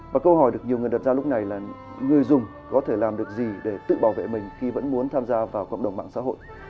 và câu hỏi được nhiều người đặt ra lúc này là người dùng có thể làm được gì để tự bảo vệ mình khi vẫn muốn tham gia vào cộng đồng mạng xã hội